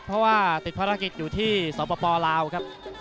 เพราะว่าติดภารกิจอยู่ที่สปลาวครับ